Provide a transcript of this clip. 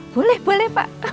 boleh boleh pak